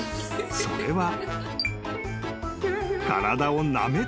それは］